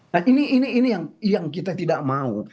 nah ini yang kita tidak mau